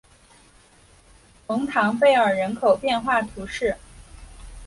蒙唐贝尔人口变化图示